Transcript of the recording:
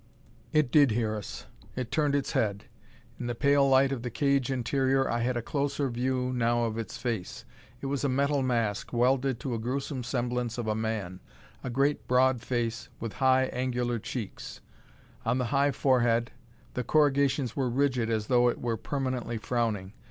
It did hear us. It turned its head. In the pale light of the cage interior, I had a closer view now of its face. It was a metal mask, welded to a gruesome semblance of a man a great broad face, with high, angular cheeks. On the high forehead, the corrugations were rigid as though it were permanently frowning.